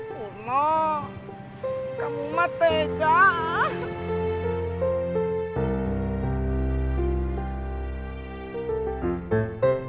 purno kamu mati gak